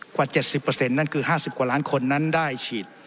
กว่าเจ็ดสิบเปอร์เซ็นต์นั่นคือห้าสิบกว่าล้านคนนั้นได้ฉีด